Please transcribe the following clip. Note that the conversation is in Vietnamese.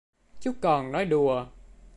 Chú còn nói đùa